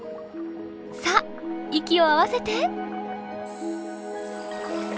さあ息を合わせて。